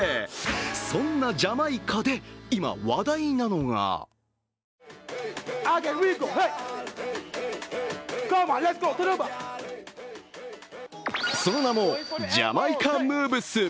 そんなジャマイカで、今、話題なのがその名もジャマイカムーブス。